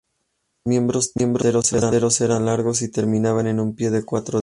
Los miembros traseros eran largos y terminaban en un pie de cuatro dedos.